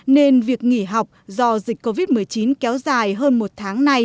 nên việc nghỉ học do dịch covid một mươi chín kéo dài hơn một tháng nay